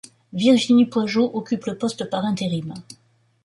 Virginie Poigeaut occupe le poste par intérim.